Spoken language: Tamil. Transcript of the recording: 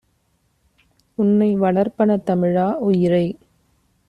உன்னை வளர்ப்பன தமிழா! - உயிரை